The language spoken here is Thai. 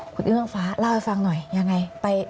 คุณเอื้องฟ้าเล่าให้ฟังหน่อยยังไง